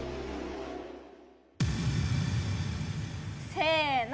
せの。